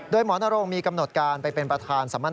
โดยหมอนโรงมีกำหนดการไปเป็นประธานสามัญ